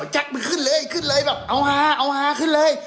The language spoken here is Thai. มาขึ้นเลยขึ้นเลยแบบเอาฮาเอาฮาขึ้นเลย